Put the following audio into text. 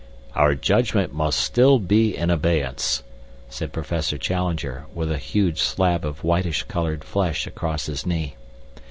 "Our judgment must still be in abeyance," said Professor Challenger, with a huge slab of whitish colored flesh across his knee.